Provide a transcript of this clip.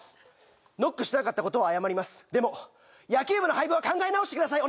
ノックしなかったことは謝りますでも野球部の廃部は考え直してください